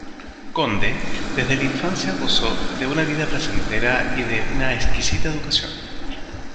Conde, desde la infancia gozó de una vida placentera y de una exquisita educación.